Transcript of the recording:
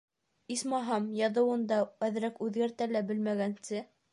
Исмаһам, яҙыуын әҙерәкүҙгәртә лә белмәгәнсе.